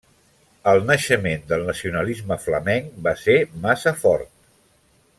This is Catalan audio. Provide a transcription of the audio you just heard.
El naixement del nacionalisme flamenc va ser massa fort.